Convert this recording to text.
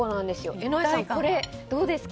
江上さん、これどうですか？